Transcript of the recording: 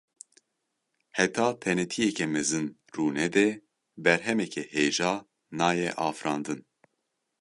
Heta tenêtiyeke mezin rû nede berhemeke hêja nayê afirandin.